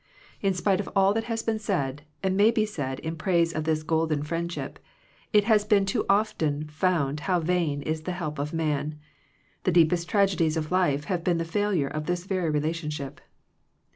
In spite of all that has been said, and may be said in praise of this golden friendship, it has been too often found how vain is the help of man. The deepest tragedies of life have been the failure of this very relationship.